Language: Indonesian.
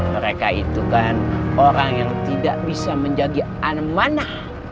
mereka itu kan orang yang tidak bisa menjadi amanah